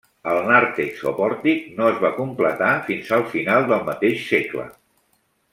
El nàrtex o pòrtic no es va completar fins al final del mateix segle.